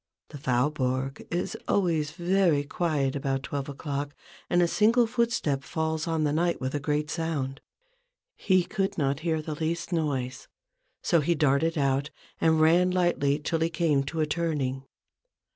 The Faubourg is always very quiet about twelve o'clock, and a single footstep falls on the night with a great sound. He could not hear the least noise : so he darted out and ran lightly till he came to a turning.